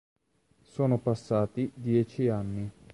Sono passati dieci anni.